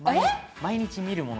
毎日見るもの。